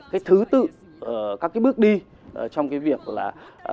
cái thứ tự các cái bước đi trong cái việc là